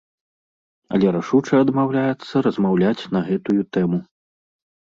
Але рашуча адмаўляецца размаўляць на гэтую тэму.